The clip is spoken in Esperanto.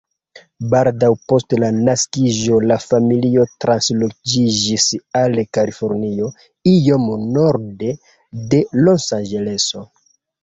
Baldaŭ post la naskiĝo la familio transloĝiĝis al Kalifornio, iom norde de Losanĝeleso.